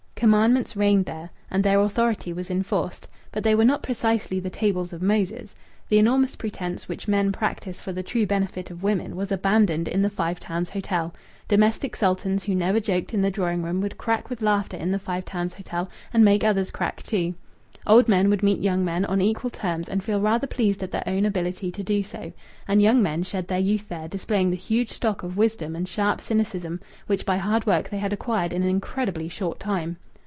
Commandments reigned there, and their authority was enforced; but they were not precisely the tables of Moses. The enormous pretence which men practise for the true benefit of women was abandoned in the Five Towns Hotel. Domestic sultans who never joked in the drawing room would crack with laughter in the Five Towns Hotel, and make others crack, too. Old men would meet young men on equal terms, and feel rather pleased at their own ability to do so. And young men shed their youth there, displaying the huge stock of wisdom and sharp cynicism which by hard work they had acquired in an incredibly short time.